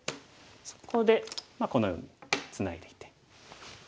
そこでこのようにツナいでいって。